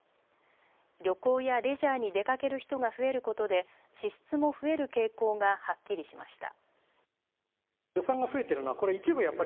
旅行やレジャーに出かける人が増えることで支出も増える傾向がはっきりしました。